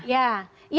yang salah misalnya